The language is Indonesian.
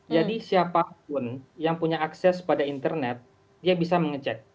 jadi siapapun yang punya akses pada internet dia bisa mengecek